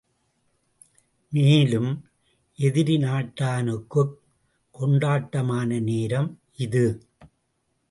மேலும்... எதிரி நாட்டானுக்குக் கொண்டாட்டமான நேரம் இது.